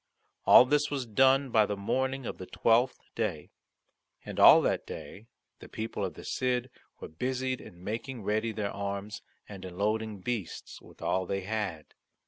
All this was done by the morning of the twelfth day; and all that day the people of the Cid were busied in making ready their arms, and in loading beasts with all that they had.